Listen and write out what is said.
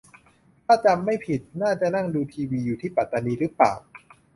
ถ้าจำไม่ผิด น่าจะนั่งดูทีวีอยู่ที่ปัตตานีรึเปล่า ?